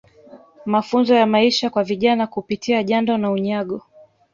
Mafunzo ya Maisha kwa Vijana Kupitia Jando na Unyago